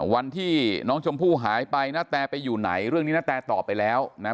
วันที่น้องชมพู่หายไปณแตไปอยู่ไหนเรื่องนี้นาแตตอบไปแล้วนะ